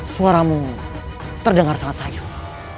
suaramu terdengar sangat sayang